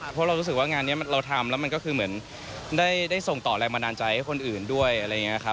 เพราะเรารู้สึกว่างานนี้เราทำแล้วมันก็คือเหมือนได้ส่งต่อแรงบันดาลใจให้คนอื่นด้วยอะไรอย่างนี้ครับ